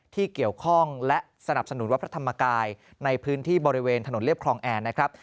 ที่เกี่ยวข้องและสนับสนุนวัดพระธรรมกายในพื้นที่บริเวณถนนเรียบคลองแอนนะครับ